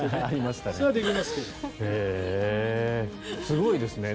すごいですね。